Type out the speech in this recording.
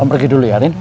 om pergi dulu ya rin